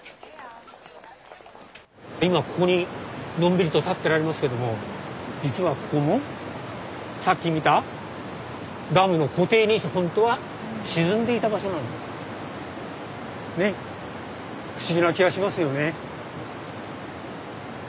今ここにのんびりと立ってられますけども実はここもさっき見たダムの湖底にほんとは沈んでいた場所なんです。ね不思議な気がしますよね。